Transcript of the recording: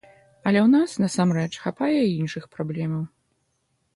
Але ў нас, насамрэч, хапае і іншых праблемаў.